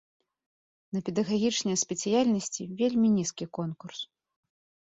На педагагічныя спецыяльнасці вельмі нізкі конкурс.